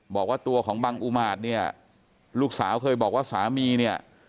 บอกว่าตัวของบังอุมาตเนี่ยลูกสาวเคยบอกว่าสามีเนี่ย